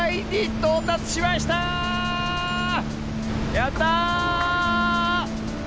やった！